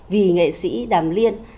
vì nghệ sĩ đàm liên